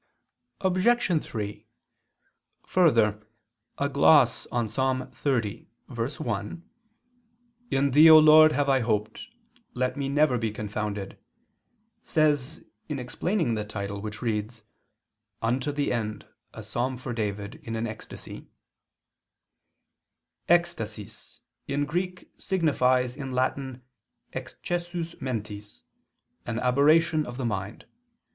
Obj. 3: Further, a gloss on Ps. 30:1, "In Thee, O Lord, have I hoped, let me never be confounded," says in explaining the title [*Unto the end, a psalm for David, in an ecstasy]: "Ekstasis in Greek signifies in Latin excessus mentis, an aberration of the mind.